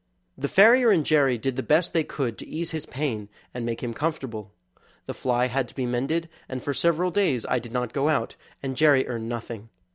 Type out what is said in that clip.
The farrier and Jerry did the best they could to ease his pain and make him comfortable. The fly had to be mended, and for several days I did not go out, and Jerry earned nothing.